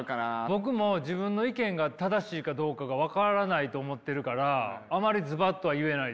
僕も自分の意見が正しいかどうかが分からないと思ってるからあまりズバッとは言えないです。